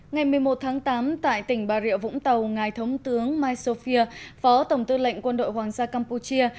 ngày một mươi một tháng tám tại tỉnh bà rịa vũng tàu ngài thống tướng misofia phó tổng tư lệnh quân đội hoàng gia campuchia